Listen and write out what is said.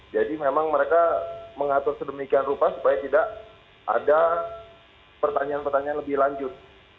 jadi memang mereka mengatur sedemikian rupa supaya tidak ada pertanyaan pertanyaan lebih lanjut